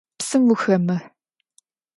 Psım vuxemıh!